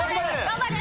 頑張れ！